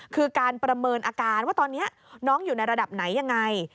คือการประเมินอาการว่าตอนนี้น้องอยู่ในระดับไหนยังไง